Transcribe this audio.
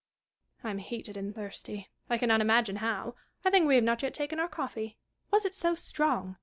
Catharine. I am heated and thirsty : I cannot imagine how. I think we have not yet taken our coffee. Was it so strong'?